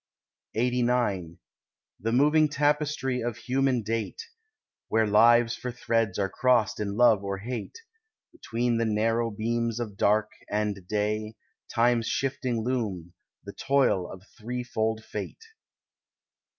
LXXXIX The moving tapestry of human date, Where lives for threads are crossed in love or hate, Between the narrow beams of dark and day— Time's shifting loom, the toil of threefold fate.